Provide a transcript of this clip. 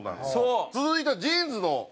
続いてはジーンズの醍醐味